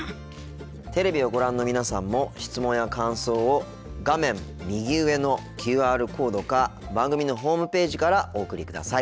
テレビをご覧の皆さんも質問や感想を画面右上のＱＲコードか番組のホームページからお送りください。